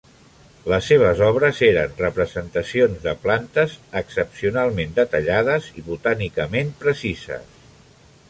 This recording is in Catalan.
Les seves obres eren representacions de plantes excepcionalment detallades i botànicament precises.